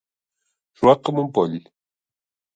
Suat com un poll.